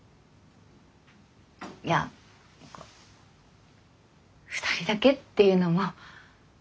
いや２人だけっていうのも。